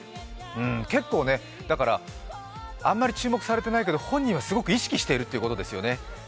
結構、あんまり注目されていないけど本人はすごく意識しているということですよね。